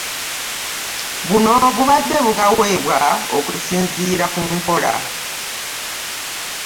Buno bubadde bugaweebwa okusinziira ku nkola